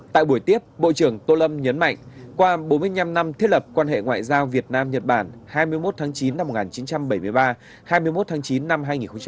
tại buổi tiếp bộ trưởng tô lâm nhấn mạnh qua bốn mươi năm năm thiết lập quan hệ ngoại giao việt nam nhật bản hai mươi một tháng chín năm một nghìn chín trăm bảy mươi ba hai mươi một tháng chín năm hai nghìn một mươi chín